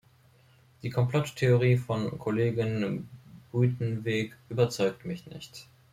Die Komplotttheorie von Kollegin Buitenweg überzeugt mich nicht.